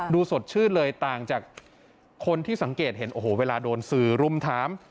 สดชื่นเลยต่างจากคนที่สังเกตเห็นโอ้โหเวลาโดนสื่อรุมถาม